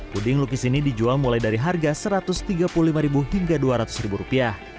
puding lukis ini dijual mulai dari harga rp satu ratus tiga puluh lima hingga rp dua ratus